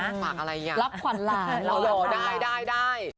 ฝากอะไรอย่างนี้นะรับขวัญล่ะรอมาฝากพี่แจ็คกาลีนโอ้โหได้